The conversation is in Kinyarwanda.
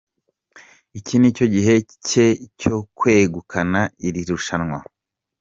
Iki nicyo gihe cye, cyo kwegukana iri rushanwa.